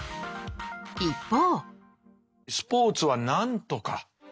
一方。